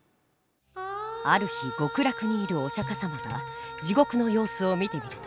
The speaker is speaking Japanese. ある日極楽にいるお釈迦様が地獄の様子を見てみると。